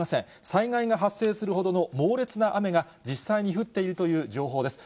災害が発生するほどの猛烈な雨が、実際に降っているという情報です。